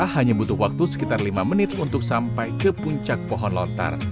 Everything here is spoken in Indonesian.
hanya butuh waktu sekitar lima menit untuk sampai ke puncak pohon lontar